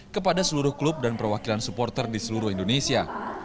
kepada seluruh klub dan perwakilan supporter di seluruh indonesia